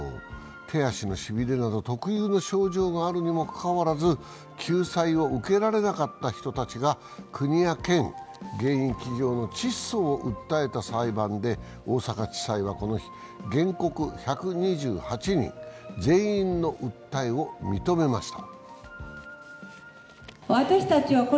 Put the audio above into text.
手足のしびれなど特有の症状があるにもかかわらず救済を受けられなかった人たちが国や県、原因企業のチッソを訴えた裁判で大阪地裁はこの日、原告１２８人、全員の訴えを認めました。